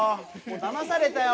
だまされたよ。